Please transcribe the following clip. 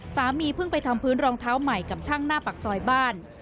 สามีเพิ่งไปทำพื้นรองเท้าใหม่กับช่างหน้าปากซอยบ้าน